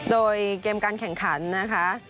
โดยเกมการแข่งขันนะคะ